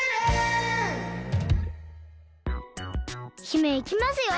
姫いきますよ！